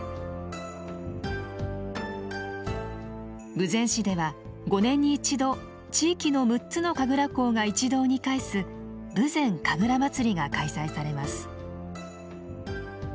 豊前市では５年に一度地域の６つの神楽講が一堂に会すぶぜん神楽まつりが開催されます。